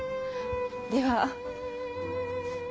では。